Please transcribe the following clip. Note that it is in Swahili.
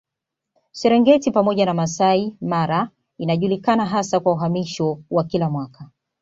Serengeti pamoja na Masai Mara inajulikana hasa kwa uhamisho wa kila mwaka